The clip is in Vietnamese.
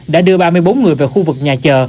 đã đưa ba mươi bốn người về khu vực nhà chờ